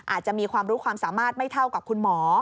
อาจจะมีความรู้ความสามารถไม่เท่ากับคุณหมอ